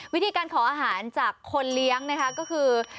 วิธีการขออาหารจากคนเลี้ยงนะคะก็คือ